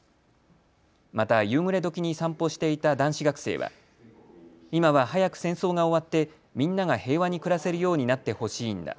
また夕暮れどきに散歩していた男子学生は今は早く戦争が終わってみんなが平和に暮らせるようになってほしいんだ。